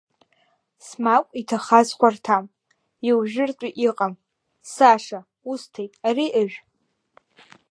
Смагә иҭахаз хәарҭам, иу жәыр-тәы иҟам, Саша, усҭеит, ари ыжә!